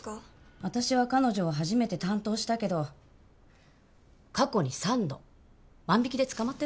私は彼女を初めて担当したけど過去に３度万引で捕まってるのよ。